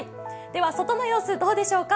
では外の様子どうでしょうか。